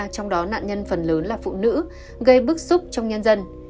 trong đó nạn nhân phần lớn là phụ nữ gây bức xúc trong nhân dân